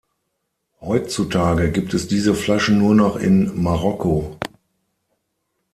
Heutzutage gibt es diese Flaschen nur noch in Marokko.